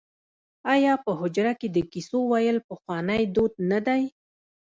آیا په حجره کې د کیسو ویل پخوانی دود نه دی؟